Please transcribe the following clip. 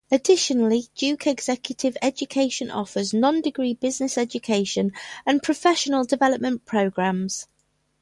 Additionally, Duke Executive Education offers non-degree business education and professional development programs.